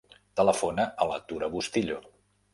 Telefona a la Tura Bustillo.